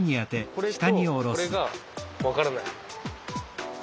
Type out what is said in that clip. これとこれが分からない。